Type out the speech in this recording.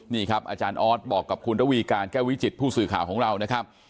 นี่ครับอาจารย์ออสบอกกับคุณระวีการแก้ววิจิตผู้สื่อข่าวของเรานะครับ